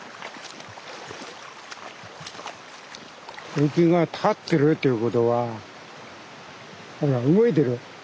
浮きが立ってるということはほら動いてる。